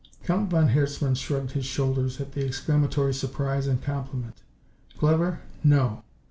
_" Count von Herzmann shrugged his shoulders at the exclamatory surprise and compliment. "Clever? No.